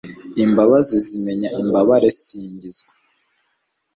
imbabazi zimenya imbabare, singizwa